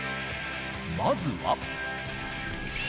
まずは。